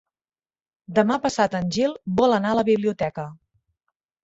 Demà passat en Gil vol anar a la biblioteca.